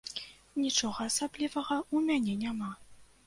Нічога асаблівага ў мне няма.